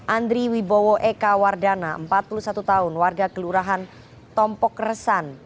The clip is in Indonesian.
andri wibowo eka wardana empat puluh satu tahun warga kelurahan tompok resan